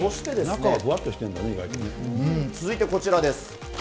中はふわっとしてるんだね、続いてこちらです。